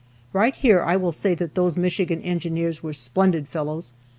Right here I will say that those Michigan Engineers were splendid fellows.